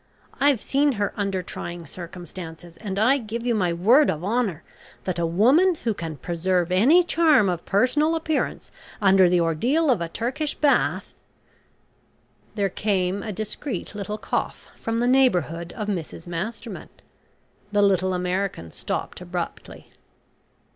I've seen her under trying circumstances, and I give you my word of honour that a woman who can preserve any charm of personal appearance under the ordeal of a Turkish Bath " There came a discreet little cough from the neighbourhood of Mrs Masterman. The little American stopped abruptly.